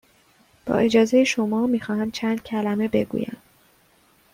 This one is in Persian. با اجازه شما، می خواهم چند کلمه بگویم.